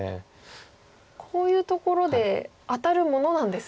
こういうところで当たるものなんですね。